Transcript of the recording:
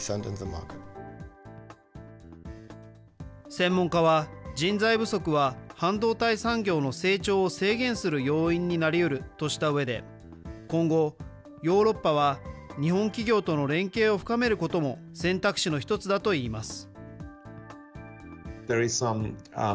専門家は、人材不足は半導体産業の成長を制限する要因になりうるとしたうえで、今後、ヨーロッパは、日本企業との連携を深めることも選択肢の１つだといいます。